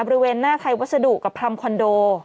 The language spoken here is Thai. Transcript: บริเวณหน้าไทยวัสดุกับพรรมคอนโด